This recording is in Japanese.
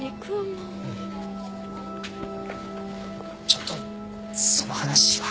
ちょっとその話は。